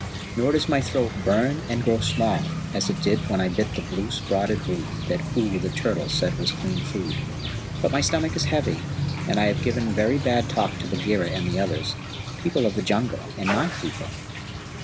Nor does my throat burn and grow small, as it did when I bit the blue spotted root that Oo the Turtle said was clean food. But my stomach is heavy, and I have given very bad talk to Bagheera and others, people of the Jungle and my people.